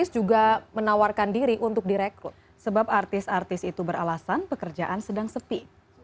mereka juga menyebutkan bahwa mereka tidak akan diri untuk direkrut sebab artis artis itu beralasan pekerjaan sedang sepi